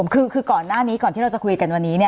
คือก่อนที่เราจะคุยกันวันนี้